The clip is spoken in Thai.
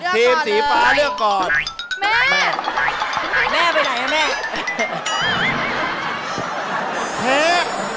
ชาส์ไปไหนนะแม่